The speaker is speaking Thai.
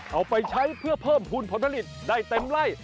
เอาไปใช้เพื่อเพิ่มทุนผลผลิตได้เต็มไล่